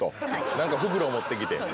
何か袋持ってきて。